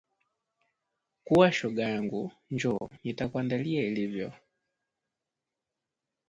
Kuwa shoga angu, njoo nitakuandalia ilivyo